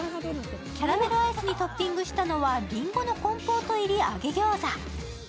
キャラメルアイスにトッピングしたのはりんごのコンポート入り揚げ餃子。